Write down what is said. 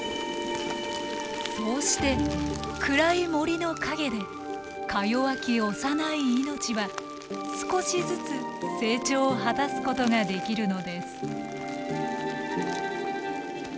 そうして暗い森の陰でかよわき幼い命は少しずつ成長を果たすことができるのです。